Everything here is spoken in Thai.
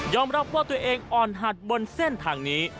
รับว่าตัวเองอ่อนหัดบนเส้นทางนี้